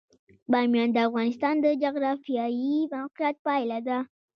بامیان د افغانستان د جغرافیایي موقیعت پایله ده.